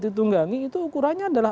ditunggangi itu ukurannya adalah